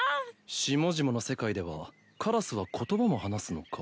下々の世界ではカラスは言葉も話すのか。